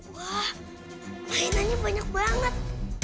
wah mainannya banyak banget